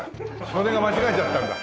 それが間違えちゃったんだ。